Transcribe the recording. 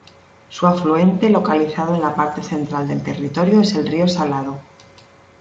Su afluente localizado en la parte central del territorio es el Río Salado.